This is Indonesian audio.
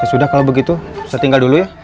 sudah kalau begitu saya tinggal dulu ya